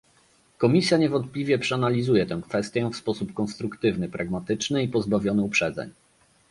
Komisja niewątpliwie przeanalizuje tę kwestię w sposób konstruktywny, pragmatyczny i pozbawiony uprzedzeń